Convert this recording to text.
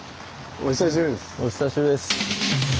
お久しぶりです。